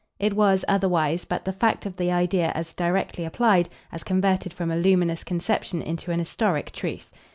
It was, otherwise, but the fact of the idea as directly applied, as converted from a luminous conception into an historic truth.